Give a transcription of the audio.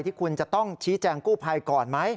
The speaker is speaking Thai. ที่คุณจะต้องชี้แจงกู้ภัยก่อนไหม